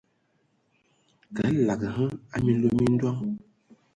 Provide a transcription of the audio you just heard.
Kəlag hm a minlo mi ndoŋ !